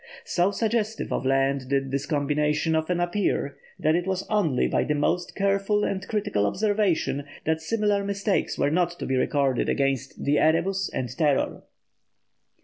So suggestive of land did this combination often appear, that it was only by the most careful and critical observation that similar mistakes were not to be recorded against the Erebus and Terror.